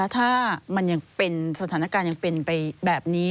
ถ้าสถานการณ์ยังเป็นไปแบบนี้